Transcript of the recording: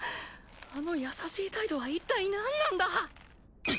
あの優しい態度はいったい何なんだ！